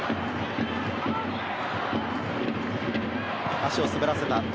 足を滑らせた。